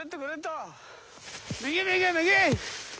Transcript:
右右右！